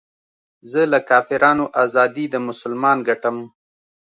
زه له کافرانو ازادي د مسلمان ګټم